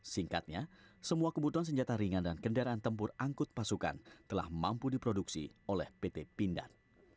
singkatnya semua kebutuhan senjata ringan dan kendaraan tempur angkut pasukan telah mampu diproduksi oleh pt pindad